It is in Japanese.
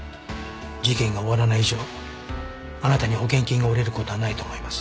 事件が終わらない以上あなたに保険金が下りる事はないと思います。